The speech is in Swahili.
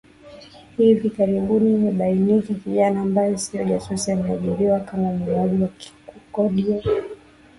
hivi karibuni imebainika kijana ambaye sio jasusi ameajiriwa kama muuaji wa kukodiwa